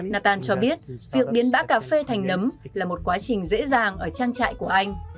nathan cho biết việc biến bã cà phê thành nấm là một quá trình dễ dàng ở trang trại của anh